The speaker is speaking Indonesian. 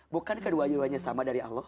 bukan kedua duanya sama dari allah